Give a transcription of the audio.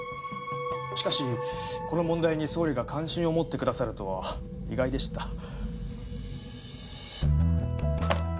しかしこの問題に総理が関心を持ってくださるとは意外でした。